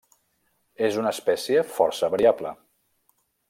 És una espècie força variable.